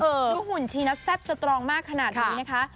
หุ่นชีนะแซ่บสตรองมากขนาดนี้นะคะ